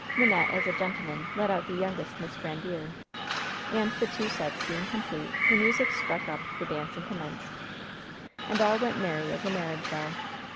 Wynnette, as a gentleman, led out the youngest Miss Grandiere. And, the two sets being complete, the music struck up, the dancing commenced, "And all went merry as a marriage bell."